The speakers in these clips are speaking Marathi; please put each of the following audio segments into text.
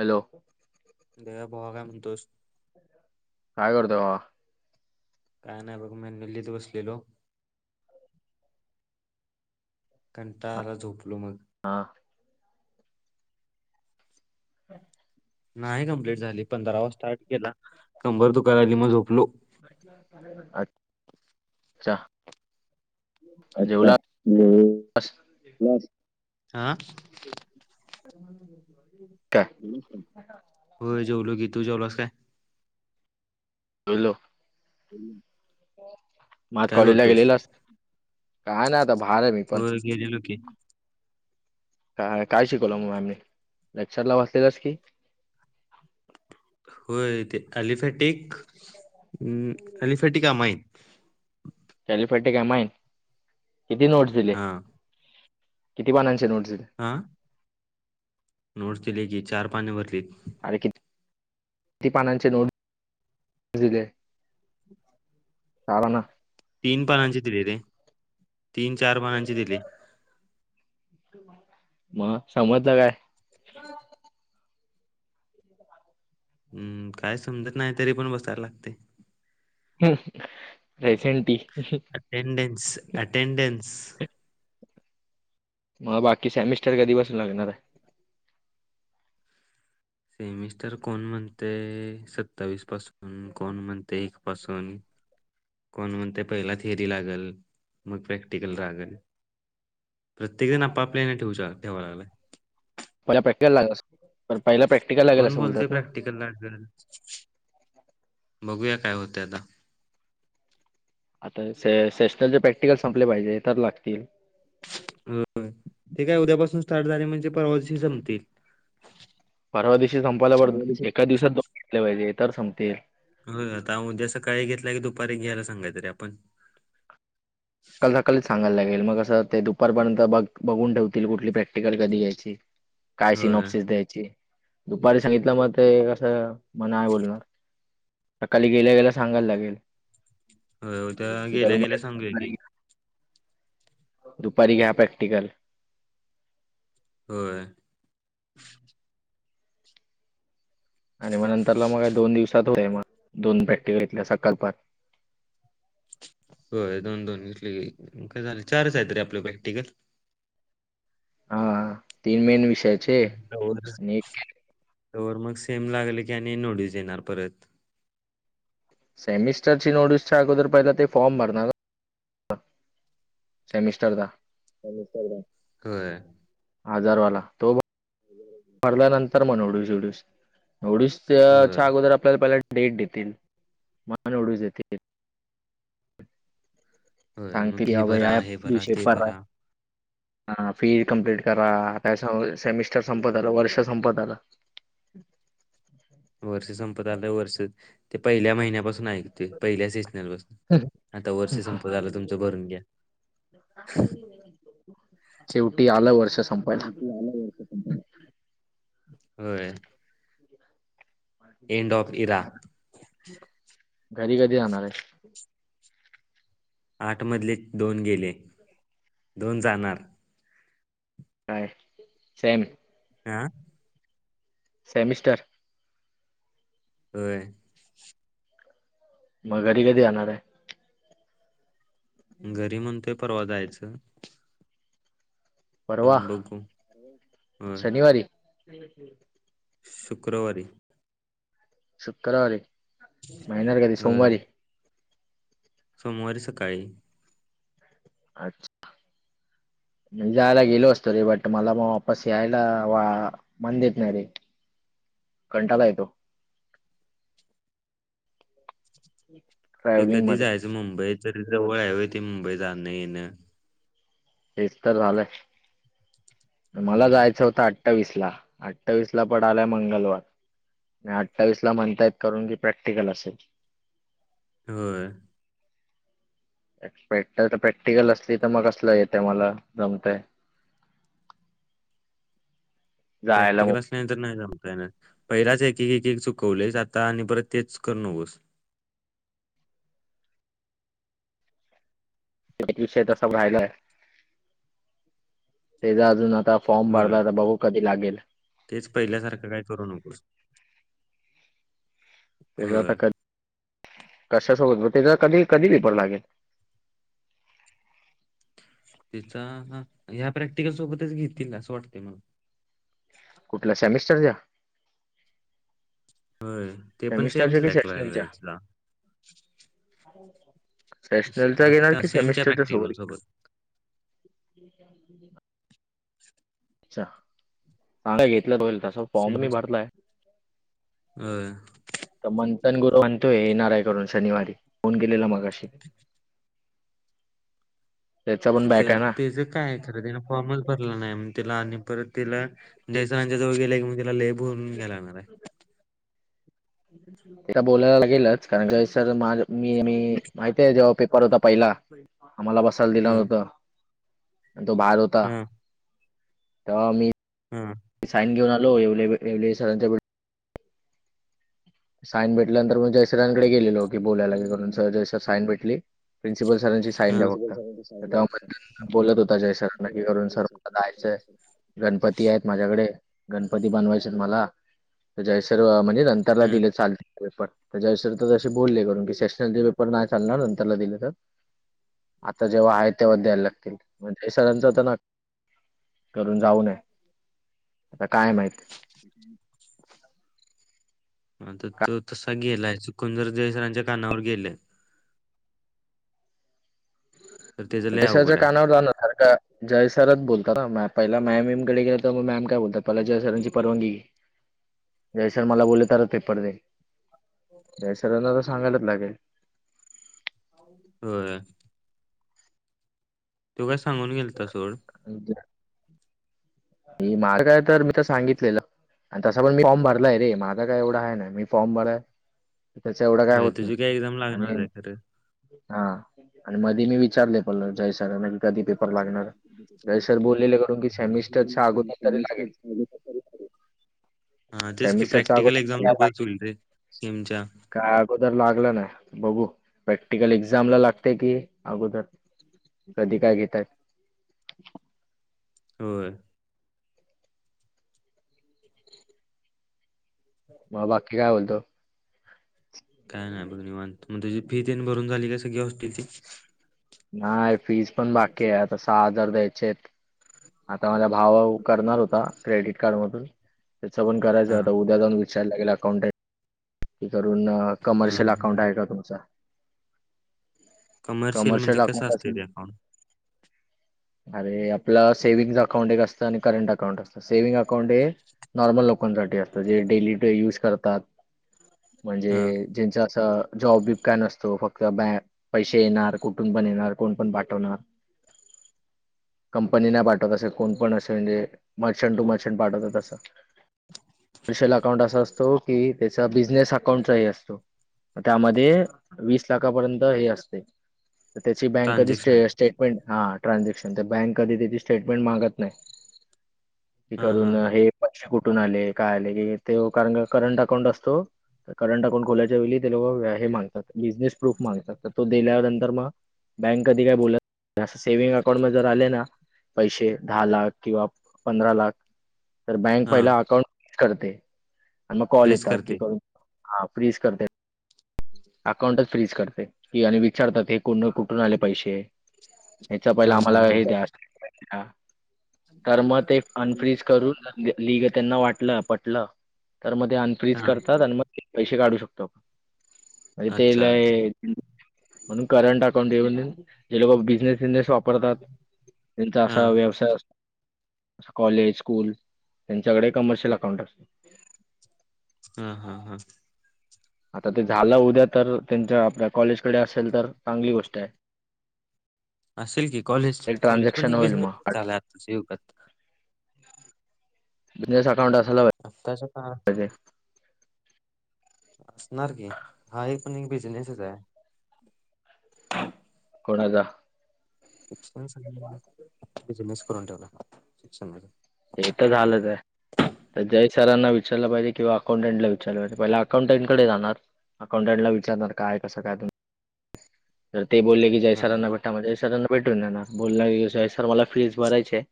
हॅलो! दया भावा काय म्हंतोष? काय करतोय भावा? काय नाही बघ मी ल्लीत बसलेलो. कंटाळा आला झोपलो मग. हां. नाही कमप्लीट झाली पंधरावा स्टार्ट केला कंबर दुकाली मग झोपलो. अच च्छा. [unintelligible] यश हा. काय होय, जेवलो की तू जेवलोस काय? जेवलो. [inaudible] मग आज काय कॉलेजला करतोयस गेलेलंस? काय नाही आता भार आहे मी पण. येजो लोकी काय, काय शिकवलं मग मॅमनी लेक्चरला बसलेलास की? होय ते aliphatic, aliphatic amine. Aliphatic amine किती नोट्स दिले हा किती पानांचे नोट्स दिले? हा.. नोट्स दिले की चार पान भरलीत. अरे किती, किती पानांचे नोट्स दिले? चार ना. तीन पानांचे दिले रे तीन, चार पानांचे दिले. मग समजलं काय? बग. हम्म काय समजत नाही तरी पण बसायला लागतय. हम्म हाय सेंट अटेडेन्स, अटेडेन्स मग बाकी सेमिस्टर कधी पासन लागणार आहे? सेमिस्टर कोण म्हणते सत्तावीस पासून, कोण म्हणते एक पासून कोण म्हणतय पहिला थिअरी लागल मग प्रॅक्टिकल लागल. प्रत्येक जण आप आपल्यान ठेवू ठेवा लागलाय. पहिला प्रॅक्टिकल लागस पहिला प्रॅक् कोण बोलते प्रॅक्टिकल लागल? बघूया काय होते आता. आता स सेशनल प्रॅक्टिकल संपले पाहिजे तर लागतील. अ ते काय उद्यापासून स्टार्ट झाले म्हणजे परवानशी जमतील. परवा दिवशी संपायला बरं होय एका दिवसात दोन झाले पाहिजे तर संपतील. हो आता उद्या सकाळी घेतला की दुपारी घ्यायला सांगायच रे आपण. काल सकाळीच सांगाय लागेल मग असं ते दुपारपर्यंत बघ बघून ठेवतील कुठली प्रॅक्टिकल कधी घ्यायची. काय सि होय नॉपसिस द्यायची दुपारी सांगितलं मग ते कसं म नाय बोलणार सकाळी गेल्या, गेल्या सांगायला लागेल. होय उद्या ते गेल्या करून गेल्या सांगूया की दुपारी घ्या प्रॅक्टिकल. होय. आणि म नतंरला दोन दिवसात होतय मग दोन प्रॅक्टिकल घेतल्या सकाळ पण. होय दोन, दोन घेतले की, काय झालं चारच आहेत रे आपले पॅक्टिकल. हा तीन मेन विषय आहेत. तवर मग सेम लागले की आणि नोटीस येणार परत. सेमिस्टर ची नोटसच्या अगोदर पहिला ते फॉर्म भरणार सेमिस्टरदा सेमिस्टरला होय. आजारवाला तो भरल्यानंतर मग ओवढीस, ओवढीस, ओवढीस. होय च्या अगोदर आपल्याला पहिला डेट देतील मग नोटिस देतील. होय मग सांगतील [unintelligible] फी भरा या हे भरा दिवशी ते परत. भरा हा फी कम्प्लीट करा. त्या सेमिस्टर संपत आलं. वर्ष संपत आलं. वर्ष संपत आलं वर्ष. ते पहिल्या महिन्यापासून ऐक पहिल्या सिजनल पसून. आता वर्ष संपत आल तुमचं. भरून घ्या. शेवटी आलं वर्ष संपायला. होय. एंड ऑफ इरा घरी कधी जाणारे? आठ मधले दोन गेले. दोन जाणार. काय? सेम. ह. सेमिस्टर. होय. म घरी कधी जाणारे? घरी म्हणतोय परवा जायचं. परवा पण बघू. होय शनिवारी. शुक्रवारी. शुक्रवारी म येनार कधी होय सोमवारी. सोमवारी सकाळी. अच्छा. म जायला गेलो असतो रे. बट मला म वापस यायला वा मन देत नायरे. कंटाला येतो. ते ट्रॅव्हलिंग कधी मध्ये जायचं मुंबईच. ते जवळ आहे व्हय ते मुंबई जाणं येणं. हेच तर झालंय. मला होय जायचं होतं अठ अठ्ठावीस ला. अठ्ठावीस ला पडालाय मंगलवार. अठ्ठावीस ला म्हणतायेत. करून की प्रॅक्टिकल असेल‌. होय. पॅक्ट तर प्रॅक्टिकल असली तर मग कसलं येतय. मला जमतंय. जायला प्रॅक्टिकल अस नाही तर नाही जमता येनार. पहिलाच एक एक एक चुकवलेयस. आता आणि परत तेच करू नकोस. एक विषय तसा राहिलाय. तेचा अजून आता फॉर्म होय भरला आता बघू कधी लागेल. तेच पहिल्यासारखं काय करू नकोस. तेच आता होय कधी, कशा सोबत तेचा कधी कधी रिपोर्ट लागेल. तिचा, ह्या प्रॅक्टिकल सोबतच घेतील असं वाटते मला. कुठल्या सेमिस्टरच्या. होय ते पण सेमच सेमिस्टरच्या कि सेशनलच्या [unintelligible] श- सेशनलचा घेणार आता कि, सेमच्या सेमिस्टरच्या प्रॅक्टिकल सोबतीक. सोबत [inaudible] अच्छा. चांगला घेतला पाहिजे. तसा फॉर्म मी सेमच भरलाय. होय तर मंथन गुरु म्हणतोय. येणारये घरून शनिवारी. फोन केलेला मघा. [inaudible] त्याचा पण बॅक आहे ना त्याच काये खरं. त्याने फॉर्मच भरला नाही मग त्याला आणि परत तिला जय सरांच्या जवळ गेले की, मग तिला लई बोलून घ्यावं लागणारे. तिला बोलायला लागेलच. कारण जय सर माझ मी मी माहिते जेव्हा पेपर होता पहिला. आम्हाला बसायला दिला हा नव्हत. तो बाहेरं होतां हा तेंव्हा मी हम्मं साईन घेऊंन आलो येवले सरांच्या साईन भेटल्यानंतर मंग जय सरांकडे गेलेलो की बोलायंला जय सरं की साईन भेटली. प्रिन्सिपल सरांची साईन हा द्यां फक्तं तरं तेंव्हा मंथन बोलतं होतां जय सरांना की घरूंन सरं जायाचं गणपती आहेतं. माझ्यांकडे गणपती बनवायचे मलां मंग जय सरं म्हणे नंतरला हा दिलेतं चालेल पेपर पणं जय सरं तरं तसं बोलले घरूंन की सेशनल पेपर नाहीं चालणारं नंतरन दिलं तरं आंता जेंव्हा आहे तेंव्हा द्यांयला लागतील हे सरांचं तरं ना करूंन जाऊं नये आंता कायं माहिती [inaudible] [unintelligible] हां तरं तो तसां गेलांय चुकूंन जरं जय सरांच्या कानांवर गेलंय. तर त्याच लय जय सरांच्या अवघड आहे. कानांवर जाणंर सारखं जय सरंच बोलतात नां पहिला मॅमकडे गेलं तरं मंग मॅम कायं बोलतात पहिला जय सरांची परवानगी घे जय सरं मलां बोलले तरचं पेपर दे. जय सरांना तरं सांगायंलाच लागेल. होयं. तूं कां सांगून गेलतां सोहंळ हो ते ही मार्ग आहे तरं मी तरं सांगितलेलं आणि तसां मी फॉर्म भरलांय रे मांझ कायं एवढां आहे नां मी फॉर्म भरलां. त्यांच्या एवढं कायं होय होतं नाहीं तुझी काय एक्झाम लागणारच आणि आहे खरं हां आणि मध्यें मी विचारले पणं जय सरांना कधीं पेपर काढणारं तरी सरं बोललेले कि समीटर हां तेचं की सेमिस्टरचा प्रॅक्टिकल एक्झांम्स बरंच उल ते टीमच्यां कायं अगोदर लागलं नांय बघूं प्रॅक्टिकल एक्झांम लां लागते की अगोदर कधीं कायं घेतंय होयं [unintelligible] ह मंग बाकी कायं बोलतो. कायं नाहीं बघं निवांत मंग तुंझी फी देऊंन भरूंन झालीं कां सगळीं व्यवस्थित नाहीं फीस पणं बाकी आहे आंता सहां हजांर द्यांयचे आहेतं आंता मांझा भाव करणारं होतां क्रेडिट कार्डमधूंन त्याचं पणं करायचं हा होतां उद्यां जाऊं विचांरा लागेल अकाउंटला कं करूंन हा कमर्शियल अकाउंट आहे कां तुमचं कमर्शियल म्हणजे कसं असतं असेल ते अकाउंट [unintelligible] अरे आपलं सेविंग अकाउंट एक असतं आणि करंट अकाउंट एक असतं सेव्हिंग अकाउंट हे नॉर्मल लोकांसाठी असतं जे डेली यूंज करतानत. म्हणजे हा ज्यांचं असं जॉब बिंब कांहीं नसतो फक्तं बॅग पैसे येणारं कुंठून पण येणारं कोणं पणं पाठवणांर [unintelligible] कंपनी नाहीं पाठवंत असे कोणं पणं असे म्हणजे मर्चंट टूं मर्चं पाठवतांत असं कमर्शिल अकाउंट असां असतो की त्यांचा बिझनेस अकाउंट नाहीं असतों. त्यामध्ये वीस लाखापर्यंत हे असते तर त्याची बँक कधी स्टे ट्रान्झॅक्शन स्टेटमेंट हा ट्रान्झॅक्शन तर बँक कधी त्याची स्टेटमेंट मागत नाही. ते हा हा करून हा हे पैसे कुठून आले काय आले की ते कारण करंट अकाउंट असतो. करंट अकाउंट खोल्याच्या वेळी ते लोक हे मागतात बिझनेस प्रूफ मागतात तो दिल्यानंतर मग बँक कधी काय बोलत अस सेव्हंग अकाउंट मध्ये जर आलेना पैसे दहा लाख किंवा पंधरा लाख तर बँक हा पहिला अकाउंट फ्रिज करते आणि मग कॉल फ्रीज येतात की करते करून हा फ्रीज करते. अकाउंटच फ्रीज करते की आणि विचारतात हे कोण कुठून आले पैसे? याच्या पहिले हा हा आम्हाला हे हा द्या तर मग ते अनफ्र्रीज करून लिग त्यांना वाटलं पटलं तर मग ते फ्रीज हा करतात आणि मग पैसे काढू शकतो आपण म्हणजे तेला अच्छा अच्छा म्हणून करंट अकाउंट म्हणून जे लोक बिझनेस अकाउंट वापरतात. त्यांचा हा असा व्यवसाय असतो. कॉलेज, स्कूल त्यांच्याकडे कमर्शियल अकाउंट असतो. हा हा हा. आता ते झालं उद्या तर त्यांच्या आपल्या कॉलेजकडे असेल तर चांगली गोष्ट आहे. असेल की कॉलेज, एक कॉलेज पण ट्रान्झॅक्शन एक होईल मग बिझनेस झाला त युगात बिझनेस अकाउंट असायला आताच्या काळात पाहिजे असणार की हा एक पण एक बिझनेसच आहे. कोणाचा? शिक्षण बिजनेस करून ठेवला शिक्षणाचा. ते तर झालंच आहे. तर जय सरांना विचारलं पाहिजे किंवा अकाउंटंला विचारलं पाहिजे पहिला अकाउंटंन कडे जाणार अकाउंटंटला विचारणार काय कसं काय तर ते बोलले की जय हा सरांना सरांना भेटून जाणार बोलला सर मला फीस भरायची आहे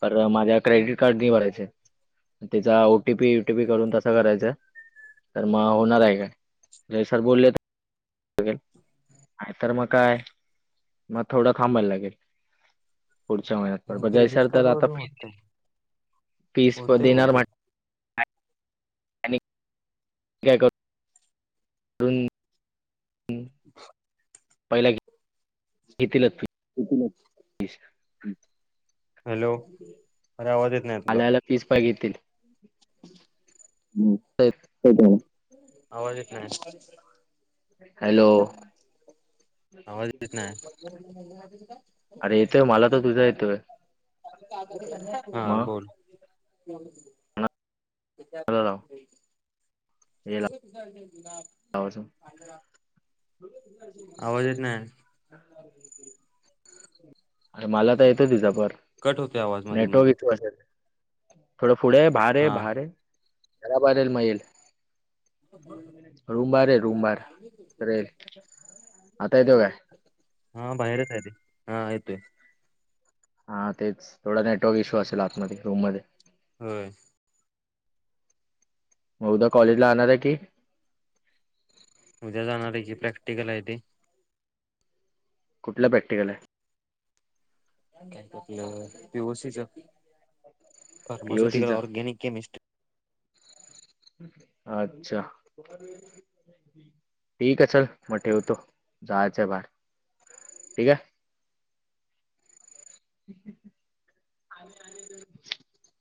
पर्वा माझ्या क्रेडिट कार्ड नि भरायचे त्याचा ओटीपी युटीपी करून तसं करायच. तर मग होणार आहे काय ते सर बोलले नाही तर मग काय मग थोडं थांबायल लागेल. पुढच्या महिन्यात परत हा म क्रेडिट जयसल तर कार्ड आता वरून होतय फिस प होतय देणार बहुतेक वाटतं आणि काय करून [inaudible] ब [inaudible] पहिला घे त [inaudible] घेतीलच. हॅलो, अरे आवाज येत नाही तुझा. फिस काय घेतील? हम्म. ते [inaudible] काय झाल? आवाज येत नाही. हॅलो. आवाज येत नाही. अरे येतोय मला तर तुझा येतोय हा मग बोल. हो [inaudible] हो तुझ तु [inaudible] आवश [inaudible] आवाज येत नाही अरे मलां तरं येतो तीचां फोन कट होतोय आवाज मध्ये नेटवर्क मध्ये ईशू असेल थोडं पुढें ये भांयर हा भांयर घरांबाहेर मं येईल रूंमबाहेर ये रूंमबारेल आंता येतो कायं हां बाहेर ये डायरेक्ट कांये हां येतो आहे हां तेचं थोडां नेटवर्क इश्यूं असेंल आंतमध्यें रूंम मध्यें होयं मंग उद्यां कॉलेज लां आणांर आहे की उद्यां जाणारं आहे की प्रॅक्टिकल आहे ते कुठलं प्रॅक्टिकल आहे आपलं पीओसी पी ओ सी चा. फार्मास्युटिकल ऑर्गॅनिक केमिस्ट अच्छा ठींक आहे चलं मंग ठेवतो जायचं आहे बाहेर ठीकं आहे [unintelligible]